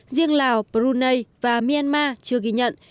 riêng lào brunei và myanmar chưa ghi nhận